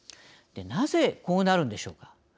なぜ、こうなるのでしょうか。